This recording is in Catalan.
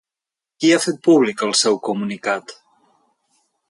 Qui ha fet públic el seu comunicat?